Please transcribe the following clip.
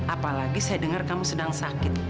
apalagi saya dengar kamu sedang sakit